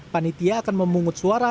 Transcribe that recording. panitia akan memungut suara